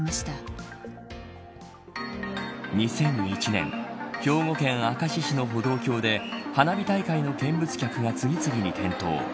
２００１年兵庫県明石市の歩道橋で花火大会の見物客が次々に転倒。